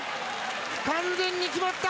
完全に決まった。